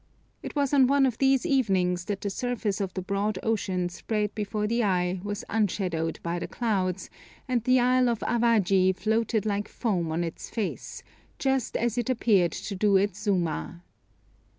It was on one of these evenings that the surface of the broad ocean spread before the eye was unshadowed by the clouds, and the Isle of Awaji floated like foam on its face, just as it appeared to do at Suma.